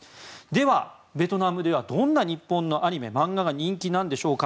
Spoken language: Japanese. では、ベトナムではどんな日本のアニメ・漫画が人気なんでしょうか。